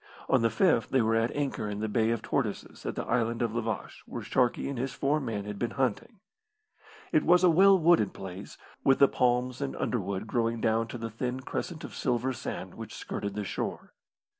On the fifth they were at anchor in the Bay of Tortoises at the Island of La Vache, where Sharkey and his four men had been hunting. It was a well wooded place, with the palms and underwood growing down to the thin crescent of silver sand which skirted the shore.